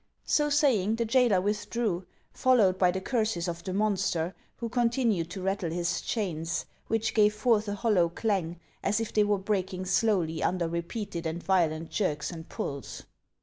501 So saying, the jailer withdrew, followed by the curses of the monster, who continued to rattle his chains, which gave forth a hollow clang as if they were breaking slowly under repeated and violent jerks and pulls.